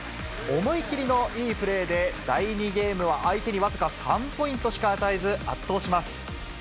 思い切りのいいプレーで、第２ゲームは相手に僅か３ポイントしか与えず、圧倒します。